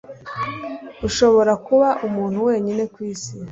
ushobora kuba umuntu wenyine kwisi